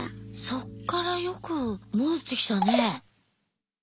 そこからよく戻ってきたね。